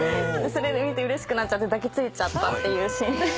それ見てうれしくなっちゃって抱きついちゃったっていうシーン。